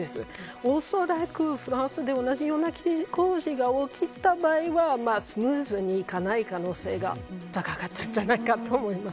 おそらくフランスで同じような工事が起きた場合はスムーズにいかない可能性が高かったんじゃないかと思います。